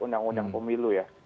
undang undang pemilu ya